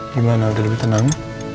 gimana udah lebih tenang